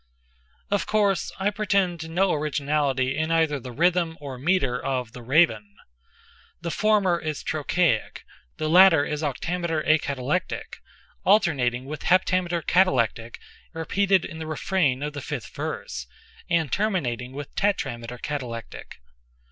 Of course, I pretend to no originality in either the rhythm or meter of the "Raven." The former is trochaic—the latter is octameter acatalectic, alternating with heptameter catalectic repeated in the refrain of the fifth verse, and terminating with tetrameter catalectic.